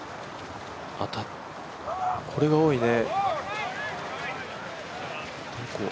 これが多いね。